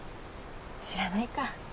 知らないか。